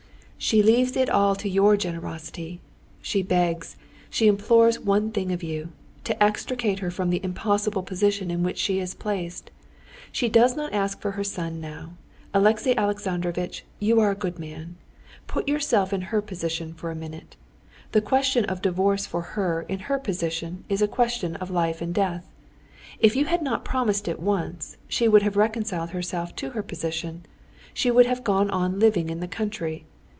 "She leaves it all to your generosity. She begs, she implores one thing of you—to extricate her from the impossible position in which she is placed. She does not ask for her son now. Alexey Alexandrovitch, you are a good man. Put yourself in her position for a minute. The question of divorce for her in her position is a question of life and death. If you had not promised it once, she would have reconciled herself to her position, she would have gone on living in the country.